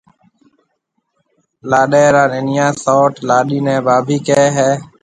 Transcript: لاڏيَ را ننَيان سئوٽ لاڏيِ نَي ڀاڀِي ڪهيَ هيَ۔